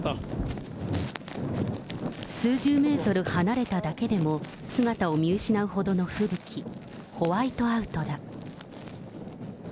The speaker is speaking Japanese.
数十メートル離れただけでも、姿を見失うほどの吹雪、ホワイトアウトだ。